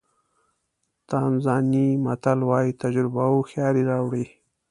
تانزانیایي متل وایي تجربه هوښیاري راوړي.